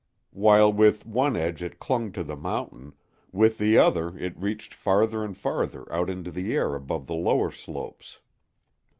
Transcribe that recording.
While with one edge it clung to the mountain, with the other it reached farther and farther out into the air above the lower slopes.